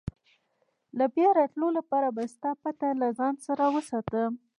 د بیا راتلو لپاره به ستا پته له ځان سره وساتم.